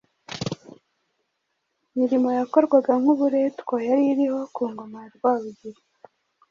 imirimo yakorwaga nk'uburetwa yari iriho ku ngoma ya Rwabugili.